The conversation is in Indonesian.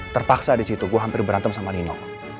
terpaksa disitu gue hampir berantem sama nino